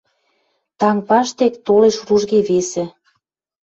Танк паштек толеш ружге весӹ